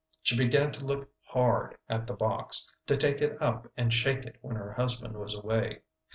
She began to look hard at the box, to take it up and shake it when her husband was away.